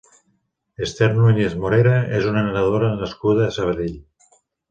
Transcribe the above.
Esther Núñez Morera és una nedadora nascuda a Sabadell.